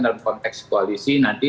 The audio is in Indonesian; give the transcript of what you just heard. dalam konteks koalisi nanti